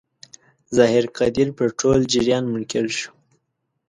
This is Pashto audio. ظاهر قدیر پر ټول جریان منکر شو.